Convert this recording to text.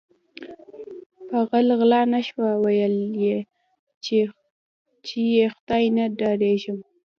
په غل غلا نشوه ویل یی چې ی خدای نه ډاریږم